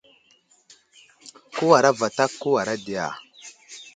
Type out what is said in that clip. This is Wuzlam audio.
Kəwara vatak ,kəwara di ya ?